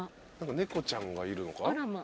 猫ちゃんがいるのか？